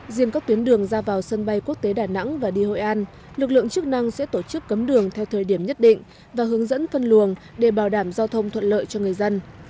riêng các tuyến đường ra vào sân bay quốc tế đà nẵng và đi hội an lực lượng chức năng sẽ tổ chức cấm đường theo thời điểm nhất định và hướng dẫn phân luồng để bảo đảm giao thông thuận lợi cho người dân